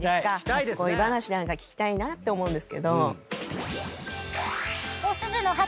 初恋話なんか聞きたいなって思うんですけど。